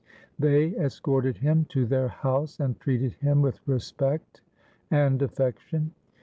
They escorted him to their house and treated him with respect and affection.